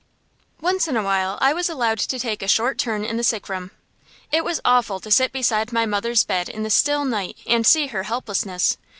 Once in a while I was allowed to take a short turn in the sick room. It was awful to sit beside my mother's bed in the still night and see her helplessness.